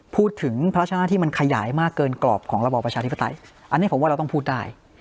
พูดถึงพระราชอำนาจที่มันขยายมากเกินกรอบของระบอปประชาธิภัตริย์อันนี้ผมว่าเราต้องพูดได้